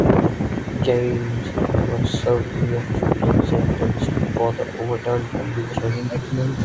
Jaynes never served any of his prison sentence for the overturned conviction.